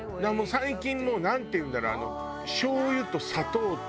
最近もうなんていうんだろう。